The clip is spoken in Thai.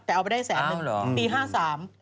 แต่เอาไปได้แสนนึงปี๑๙๕๓อ้าวเหรอ